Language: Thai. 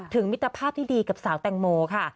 มิตรภาพที่ดีกับสาวแตงโมค่ะ